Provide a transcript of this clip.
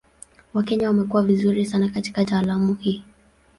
Wakenya wamekuwa vizuri sana katika taaluma hii.